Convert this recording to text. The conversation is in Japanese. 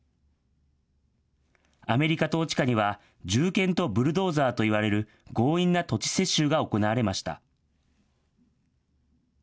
アメリカ統治下には、銃剣とブルドーザーといわれる、強引な土地接収が行われました。